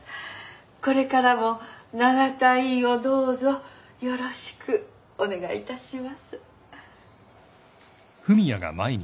これからも永田医院をどうぞよろしくお願いいたします。